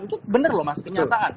itu benar loh mas kenyataan